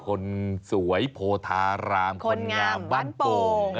คนสวยโพทารามคนงามบ้านโป่งมึงอกค่ะ